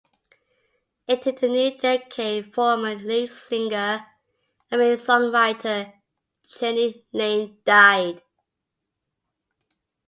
Into the new decade former lead singer and main songwriter Jani Lane died.